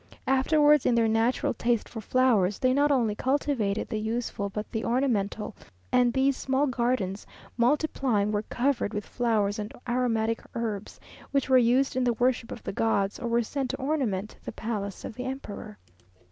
Afterwards, in their natural taste for flowers, they not only cultivated the useful but the ornamental, and these small gardens multiplying were covered with flowers and aromatic herbs, which were used in the worship of the gods, or were sent to ornament the palace of the emperor.